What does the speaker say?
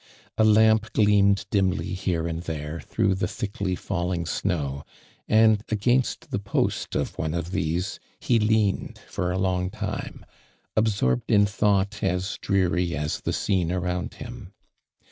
A lamp gleamed dimly here and there, through the thickly falling snow, and against the post of one of these, he leaned for a long time, absorbed in thought }is dreary as the scene around him.